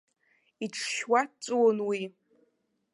Иҽшьуа дҵәыуон уи.